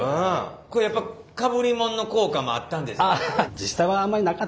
これやっぱかぶりもんの効果もあったんですか？